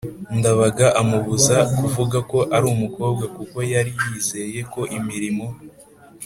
Ndabaga amubuza kuvuga ko ari umukobwa kuko yari yizeye ko imirimo